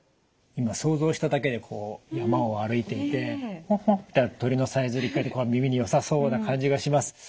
今想像しただけでこう山を歩いていてホッホッて鳥のさえずり聞こえてこう耳によさそうな感じがします。